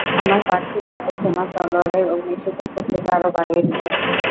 আমার পার্থিব জাদু তোমার তলোয়ারের অগ্নিশিখার শক্তিকে আরও বাড়িয়ে দেবে।